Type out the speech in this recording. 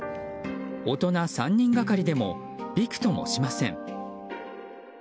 大人３人がかりでもびくともしません。